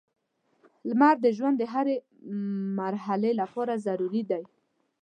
• لمر د ژوند د هرې مرحلې لپاره ضروري دی.